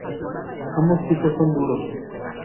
Ambos tipos son duros.